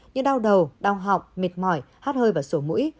như đau đầu đau họng mệt mỏi hát hơi và sổ mũi